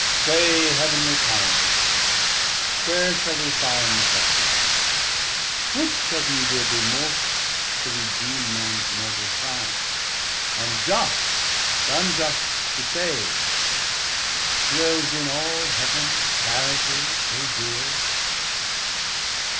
Say Heav'nly Powers, where shall we find such love, Which of ye will be mortal to redeem Mans mortal crime, and just th' unjust to save, Dwels in all Heaven charitie so deare?